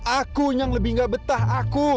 aku yang lebih gak betah aku